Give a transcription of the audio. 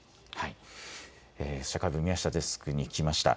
社会部、宮下デスクに聞きました。